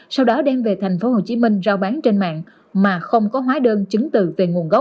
sau đó đem về thành phố hồ chí minh rao bán trên mạng mà không có hóa đơn chứng từ về nguồn gốc